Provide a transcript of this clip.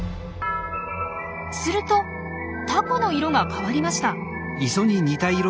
するとタコの色が変わりました。